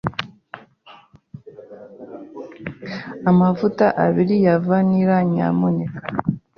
Amavuta abiri ya vanilla, nyamuneka.